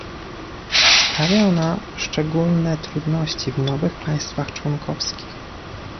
Sprawia ona szczególne trudności w nowych państwach członkowskich